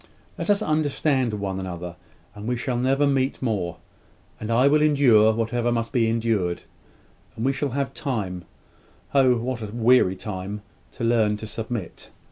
Let us once understand one another, and we will never meet more, and I will endure whatever must be endured, and we shall have time Oh, what a weary time! to learn to submit.